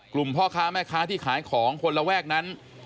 พ่อค้าแม่ค้าที่ขายของคนระแวกนั้น